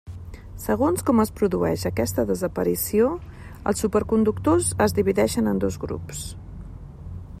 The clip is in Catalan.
Segons com es produeix aquesta desaparició els superconductors es divideixen en dos grups.